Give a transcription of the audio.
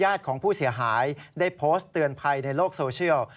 ของผู้เสียหายได้โพสต์เตือนภัยในโลกโซเชียล